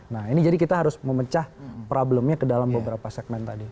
nah ini jadi kita harus memecah problemnya ke dalam beberapa segmen tadi